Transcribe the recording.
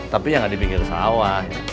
tapi ya nggak di pinggir sawah